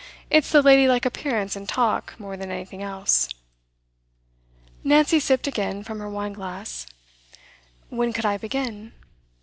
It's the ladylike appearance and talk more than anything else.' Nancy sipped again from her wine glass. 'When could I begin?